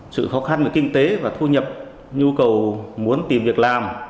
sự khó khăn về kinh tế và thu nhập nhu cầu muốn tìm việc làm